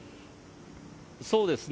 そうですね。